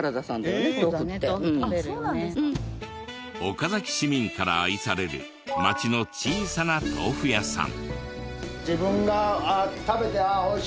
岡崎市民から愛される町の小さな豆腐屋さん。